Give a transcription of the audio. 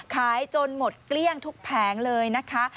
จนหมดเกลี้ยงทุกแผงเลยนะคะ